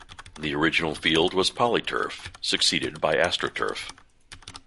The original field was Poly-Turf, succeeded by AstroTurf.